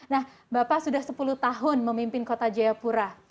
nah bapak sudah sepuluh tahun memimpin kota jayapura